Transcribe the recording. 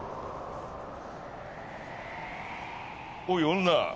おい女。